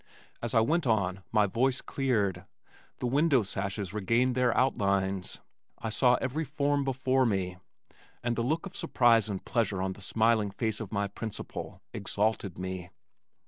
As I went on my voice cleared. The window sashes regained their outlines. I saw every form before me, and the look of surprise and pleasure on the smiling face of my principal exalted me.